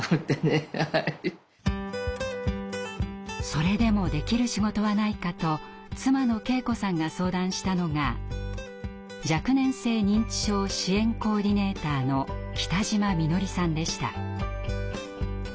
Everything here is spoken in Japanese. それでもできる仕事はないかと妻の恵子さんが相談したのが若年性認知症支援コーディネーターの来島みのりさんでした。